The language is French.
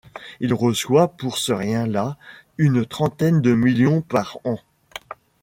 Il reçoit pour ce rien-là une trentaine de millions par an.